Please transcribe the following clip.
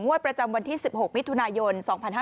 ประจำวันที่๑๖มิถุนายน๒๕๕๙